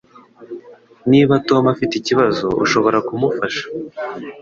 Niba Tom afite ikibazo ushobora kumufasha